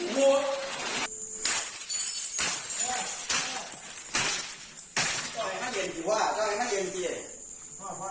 โคตรเงียบปะ